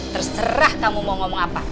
terserah kamu mau ngomong apa